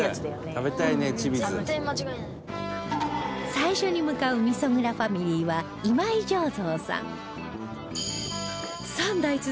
最初に向かう味噌蔵ファミリーは今井醸造さん